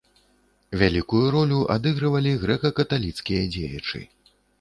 Вялікую ролю адыгрывалі грэка-каталіцкія дзеячы.